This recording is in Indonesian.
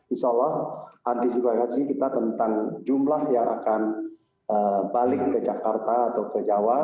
insya allah antisipasi kita tentang jumlah yang akan balik ke jakarta atau ke jawa